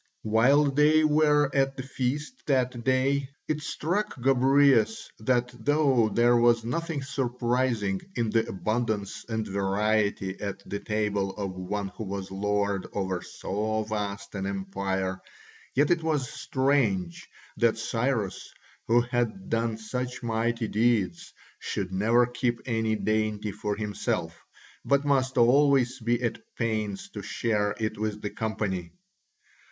While they were at the feast that day it struck Gobryas that though there was nothing surprising in the abundance and variety at the table of one who was lord over so vast an empire, yet it was strange that Cyrus, who had done such mighty deeds, should never keep any dainty for himself, but must always be at pains to share it with the company.